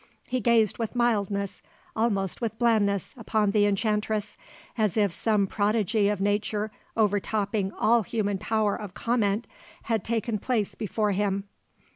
He gazed with mildness, almost with blandness, upon the enchantress, as if some prodigy of nature overtopping all human power of comment had taken place before him.